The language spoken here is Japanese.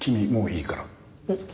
えっ？